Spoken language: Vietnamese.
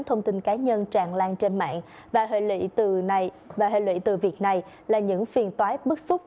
thông tin cá nhân tràn lan trên mạng và hệ lụy từ việc này là những phiền tói bức xúc